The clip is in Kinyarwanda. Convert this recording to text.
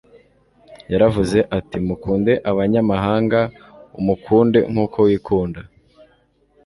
yaravuze ati: mukunde abanyamahanga. Umukunde nk'uko wikunda.»